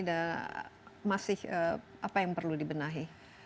dan masih apa yang perlu dibenahi